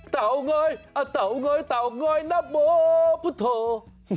เตาง้อยเตาง้อยเตาง้อยนบพุทธ